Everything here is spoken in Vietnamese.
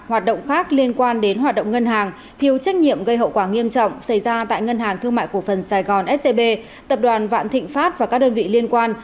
hoạt động khác liên quan đến hoạt động ngân hàng thiếu trách nhiệm gây hậu quả nghiêm trọng xảy ra tại ngân hàng thương mại cổ phần sài gòn scb tập đoàn vạn thịnh pháp và các đơn vị liên quan